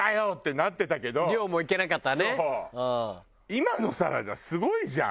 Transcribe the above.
今のサラダすごいじゃん。